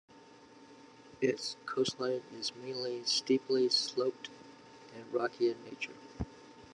Its coastline is mainly steeply sloped and rocky in nature.